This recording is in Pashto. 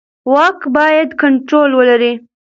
واک باید کنټرول ولري